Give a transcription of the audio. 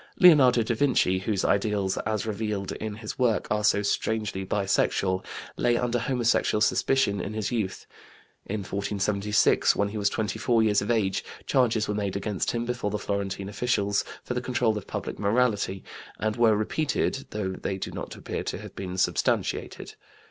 Leonardo da Vinci, whose ideals as revealed in his work are so strangely bisexual, lay under homosexual suspicion in his youth. In 1476, when he was 24 years of age, charges were made against him before the Florentine officials for the control of public morality, and were repeated, though they do not appear to have been substantiated.